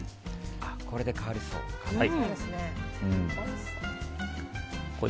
あ、これで変わりそう。